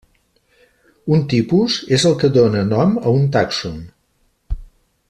Un tipus és el que dóna nom a un tàxon.